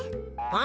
あ？